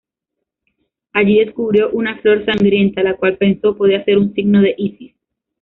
Allí descubrió una flor sangrienta, la cual pensó podía ser un signo de Isis.